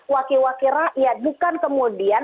wakil wakil rakyat bukan kemudian